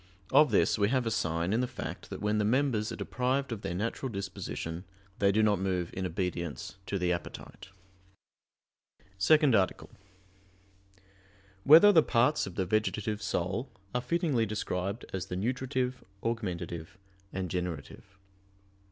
Of this we have a sign in the fact that when the members are deprived of their natural disposition, they do not move in obedience to the appetite. _______________________ SECOND ARTICLE [I, Q. 78, Art. 2] Whether the Parts of the Vegetative Soul Are Fittingly Described As the Nutritive, Augmentative, and Generative?